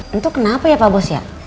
tentu kenapa ya pak bos ya